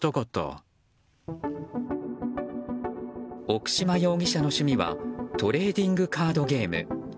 奥島容疑者の趣味はトレーディングカードゲーム。